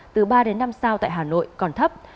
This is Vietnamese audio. từ ba đến năm sao tại hà nội còn thấp